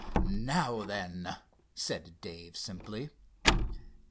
"Now then," said Dave simply.